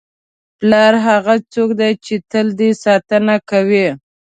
پلار هغه څوک دی چې تل دې ساتنه کوي.